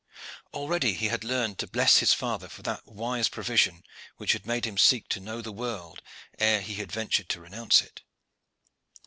Already he had learned to bless his father for that wise provision which had made him seek to know the world ere he had ventured to renounce it.